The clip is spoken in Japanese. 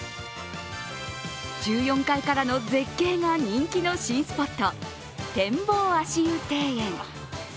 １４階からの絶景が人気のスポット、展望足湯庭園。